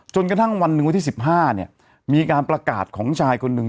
จนกระทั่งวันหนึ่งวันที่๑๕เนี่ยมีการประกาศของชายคนหนึ่ง